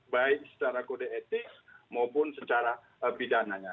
baik secara kode etik maupun secara pidananya